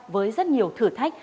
với rất nhiều thử thách